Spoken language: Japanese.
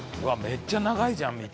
めっちゃ長いじゃん道。